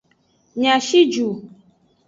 Mia shi ju.